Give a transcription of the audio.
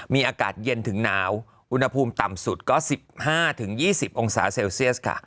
มีอากาศเย็นถึงหนาวอุณหภูมิต่ำสุดก็๑๕๒๐องศาเซลเซียสค่ะ